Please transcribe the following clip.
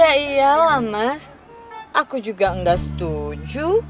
ya iyalah mas aku juga nggak setuju